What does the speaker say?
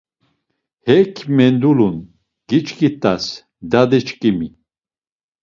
Hek mendulun, giçkit̆as, dadi şǩimi